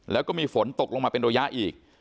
แล้วก็มีฝนตกลงมาเป็นระยะอีก